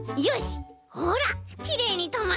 ほらきれいにとまったよ。